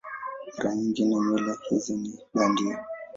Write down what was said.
Mara nyingi nywele hizi ni bandia.